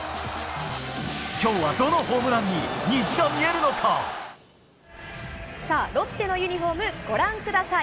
きょうはどのホームランに虹が見さあ、ロッテのユニホーム、ご覧ください。